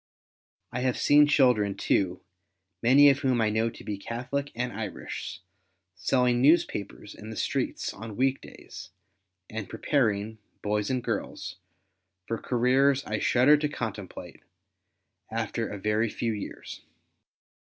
I have seen children too, many of whom I know to be Catholic and Irish, selling newspapers in the streets on weekdays, and preparing, boys and girls, for careers I shudder to contemplate, after a very few years.